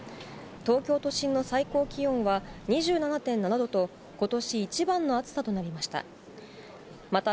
東京都心の最高気温は、２７．７度と、ことし一番の暑さとなりました。